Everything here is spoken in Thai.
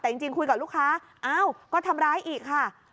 แต่จริงคุยกับลูกค้าอ้าวก็ทำร้ายอีกค่ะ